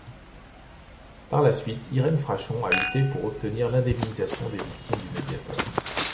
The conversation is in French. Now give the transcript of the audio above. Par la suite, Irène Frachon a lutté pour obtenir l'indemnisation des victimes du Mediator.